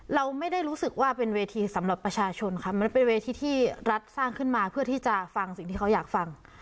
เราไม่ได้รู้สึกว่าเป็นเวทีสำหรับประชาชนค่ะมันเป็นเวทีที่รัฐสร้างขึ้นมาเพื่อที่จะฟังสิ่งที่เขาอยากฟัง